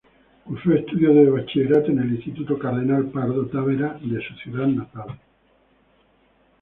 Cursó estudios de bachillerato en el instituto Cardenal Pardo Tavera de su ciudad natal.